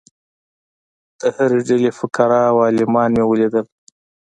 د هرې ډلې فقراء او عالمان مې ولیدل.